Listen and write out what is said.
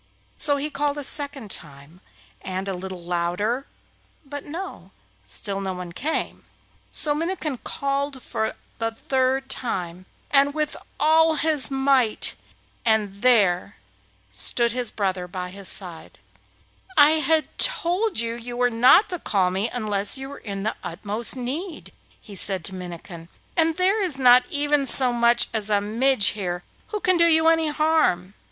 So he called a second time, and a little louder, but no! still no one came. So Minnikin called for the third time, and with all his might, and there stood his brother by his side. 'I told you that you were not to call me unless you were in the utmost need,' he said to Minnikin, 'and there is not even so much as a midge here who can do you any harm!